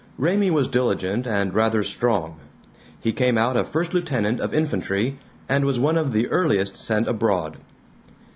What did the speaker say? Raymie was diligent and rather strong. He came out a first lieutenant of infantry, and was one of the earliest sent abroad.